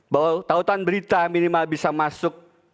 bahwa tautan berita minimal bisa masuk